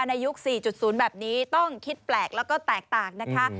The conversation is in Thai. ในยุค๔๐แบบนี้ต้องคิดแปลกแล้วก็แตกต่างนะคะ